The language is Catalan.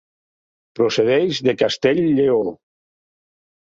Procedeix de Castell-lleó.